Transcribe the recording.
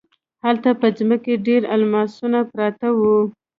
هلته په ځمکه ډیر الماسونه پراته وو.